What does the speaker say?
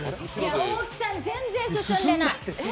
大木さん、全然進んでない。